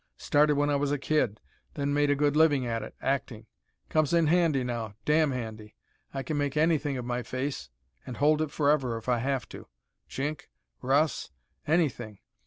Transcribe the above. Started when I was a kid, then made a good living at it, acting. Comes in handy now, damn handy. I can make anything of my face, and hold it forever if I have to. Chink, Russ anything.